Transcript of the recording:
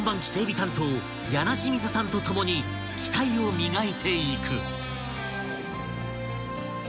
担当柳清水さんと共に機体を磨いていく］